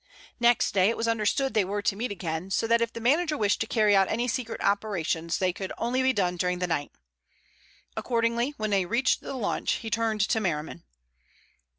Next day it was understood they were to meet again, so that if the manager wished to carry out any secret operations they could only be done during the night. Accordingly when they reached the launch he turned to Merriman.